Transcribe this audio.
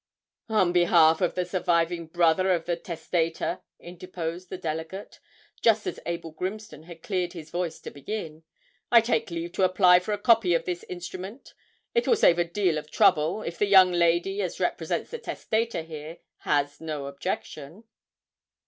'On behalf of the surviving brother of the testator,' interposed the delegate, just as Abel Grimston had cleared his voice to begin, 'I take leave to apply for a copy of this instrument. It will save a deal of trouble, if the young lady as represents the testator here has no objection.'